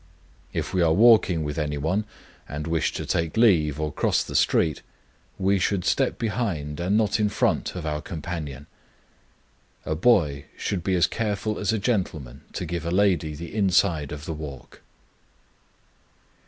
If we are walking with any one, and wish to take leave or cross the street, we should step behind and not in front of our companion. A boy should be as careful as a gentleman to give a lady the inside of the walk.